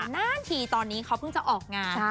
นานทีตอนนี้เขาเพิ่งจะออกงาน